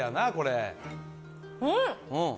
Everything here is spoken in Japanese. うん！